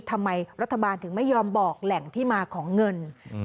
ทำไมรัฐบาลถึงไม่ยอมบอกแหล่งที่มาของเงิน